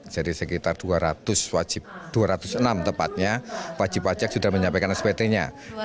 jadi sekitar dua ratus enam wajib pajak sudah menyampaikan spt nya